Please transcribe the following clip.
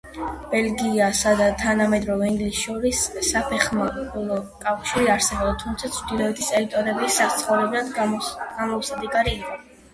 ბელგიასა და თანამედროვე ინგლისს შორის საფეხმავლო კავშირი არსებობდა, თუმცა ჩრდილოეთის ტერიტორიები საცხოვრებლად გამოუსადეგარი იყო.